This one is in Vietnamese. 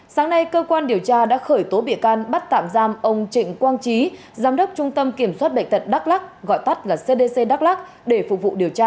sáng nay cơ quan điều tra đã khởi tố bịa can bắt tạm giam ông trịnh quang trí giám đốc trung tâm kiểm soát bệnh tật đắk lắc gọi tắt là cdc đắk lắc để phục vụ điều tra